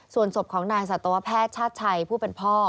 ส่วนศพของนายสัตวแพทย์ชาติชัยผู้เป็นพ่อ